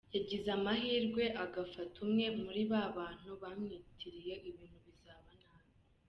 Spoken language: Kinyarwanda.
yagize amahirwe agafata umwe muri aba bantu bamwiyitiriye ibintu bizaba nabi.